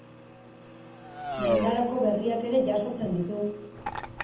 Mendaroko berriak ere jasotzen ditu.